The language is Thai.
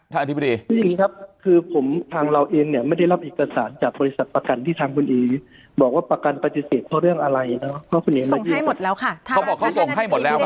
คุณนี้ส่งให้เราอยู่ใช่ไหม